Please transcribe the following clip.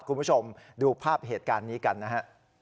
คุณผู้ชมดูภาพเหตุการณ์นี้กันนะฮะ